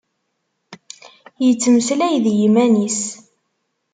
Ittmeslay d yiman-is.